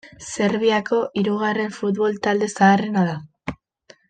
Serbiako hirugarren futbol talde zaharrena da.